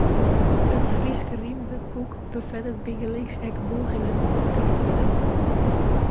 It Frysk rymwurdboek befettet bygelyks ek bûgingen fan tiidwurden.